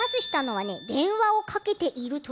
はい！